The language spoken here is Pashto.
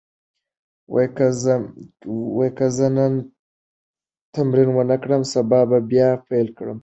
که زه نن تمرین ونه کړم، سبا به بیا پیل کړم.